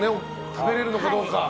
食べれるのかどうか。